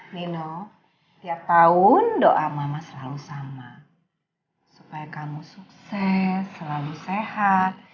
nino tiap tahun doa mama selalu sama supaya kamu sukses selalu sehat